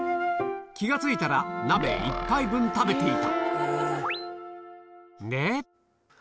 気が付いたら鍋１杯分食べていた。